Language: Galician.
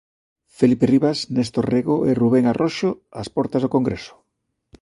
Felipe Rivas, Néstor Rego e Rubén Arroxo, ás portas do Congreso.